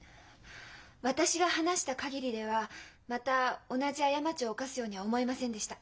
私が話した限りではまた同じ過ちを犯すようには思えませんでした。